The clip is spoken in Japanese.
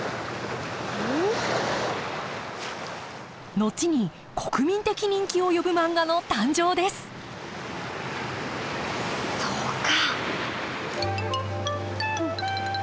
後に国民的人気を呼ぶ漫画の誕生ですそうか。